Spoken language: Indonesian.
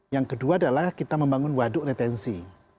yang kedua adalah kita membangun waduk retensi